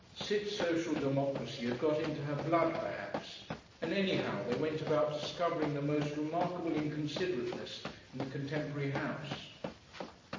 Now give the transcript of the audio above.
Sid's social democracy had got into her blood perhaps, and anyhow they went about discovering the most remarkable inconsiderateness in the contemporary house.